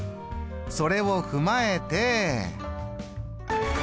それを踏まえて。